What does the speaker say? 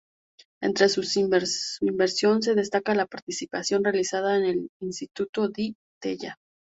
Entre sus intervención se destaca la participación realizada en en el Instituto Di Tella.